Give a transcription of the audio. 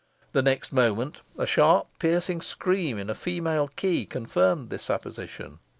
The next moment a sharp, piercing scream in a female key confirmed the supposition.